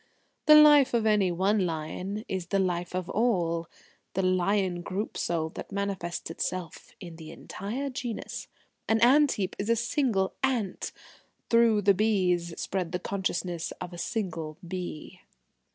The life of any one lion is the life of all the lion group soul that manifests itself in the entire genus. An ant heap is a single Ant; through the bees spreads the consciousness of a single Bee."